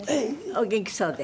お元気そうで。